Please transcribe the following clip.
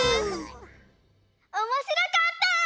おもしろかった！